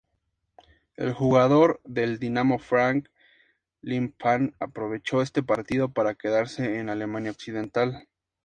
El jugador del Dinamo Frank Lippmann aprovechó este partido para quedarse en Alemania Occidental.